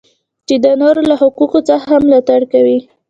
چې د نورو له حقوقو څخه هم ملاتړ کوي.